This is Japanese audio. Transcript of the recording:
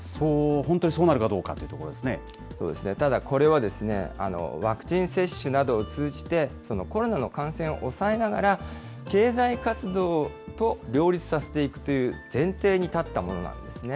本当にそうなるかどうかというこそうですね、ただこれは、ワクチン接種などを通じて、コロナの感染を抑えながら、経済活動と両立させていくという前提に立ったものなんですね。